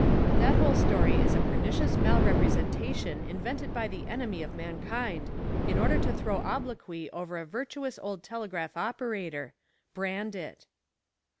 "That whole story is a pernicious malrepresentation invented by the enemy of mankind in order to throw obloquy over a virtuous old telegraph operator brand it!"